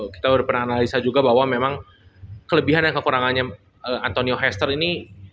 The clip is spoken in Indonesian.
kita baru pernah analisa juga bahwa memang kelebihan dan kekurangannya antonio hester ini